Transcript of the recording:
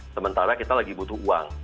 sementara kita lagi butuh uang